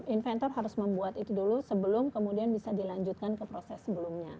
inventor harus membuat itu dulu sebelum kemudian bisa dilanjutkan ke proses sebelumnya